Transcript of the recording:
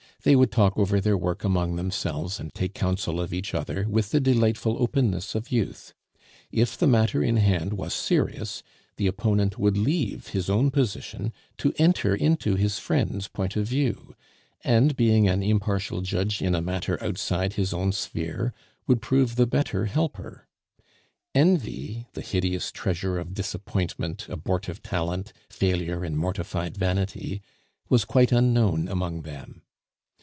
They would talk over their work among themselves and take counsel of each other with the delightful openness of youth. If the matter in hand was serious, the opponent would leave his own position to enter into his friend's point of view; and being an impartial judge in a matter outside his own sphere, would prove the better helper; envy, the hideous treasure of disappointment, abortive talent, failure, and mortified vanity, was quite unknown among them.